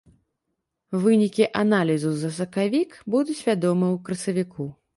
Вынікі аналізу за сакавік будуць вядомыя ў красавіку.